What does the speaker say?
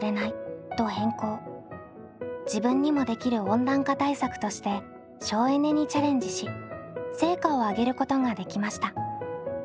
自分にもできる温暖化対策として省エネにチャレンジし成果を上げることができました。